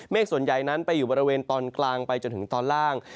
ส่วนใหญ่นั้นไปอยู่บริเวณตอนกลางไปจนถึงตอนล่าง